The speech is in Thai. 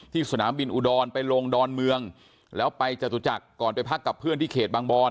สนามบินอุดรไปลงดอนเมืองแล้วไปจตุจักรก่อนไปพักกับเพื่อนที่เขตบางบอน